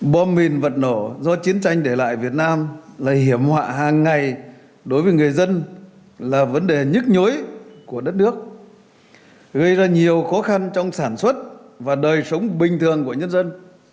bom mìn vật nổ do chiến tranh để lại việt nam là hiểm họa hàng ngày đối với người dân là vấn đề nhức nhối của đất nước gây ra nhiều khó khăn trong sản xuất và đời sống bình thường của nhân dân